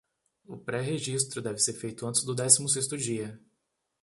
O pré-registro deve ser feito antes do décimo sexto dia.